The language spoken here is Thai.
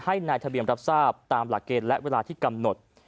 ให้นายทะเบียนรับทราบตามหลักเกณฑ์และเวลาที่กำหนด